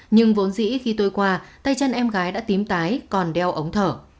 nhưng vốn dĩ khi tôi qua tay chân em gái đã tím tái còn đeo ống thở